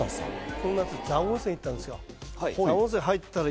この夏蔵王温泉行ったんですよ。